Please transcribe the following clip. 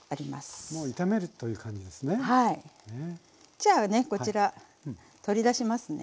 じゃあねこちら取り出しますね。